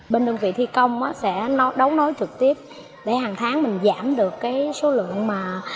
bên đồng vị thi công sẽ đấu nối trực tiếp để hàng tháng giảm được số lượng điện